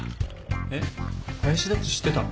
えっ林田っち知ってたの？